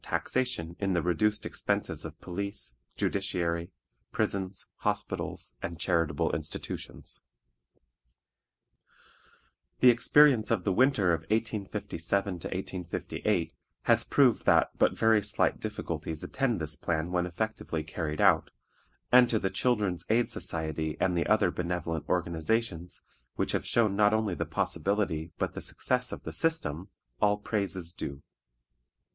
taxation in the reduced expenses of police, judiciary, prisons, hospitals, and charitable institutions. The experience of the winter of 1857 8 has proved that but very slight difficulties attend this plan when efficiently carried out, and to the "Children's Aid Society" and the other benevolent organizations, which have shown not only the possibility, but the success of the system, all praise is due.